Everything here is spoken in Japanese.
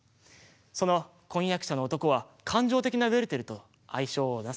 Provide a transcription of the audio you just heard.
その婚約者の男は感情的なウェルテルと対照を成す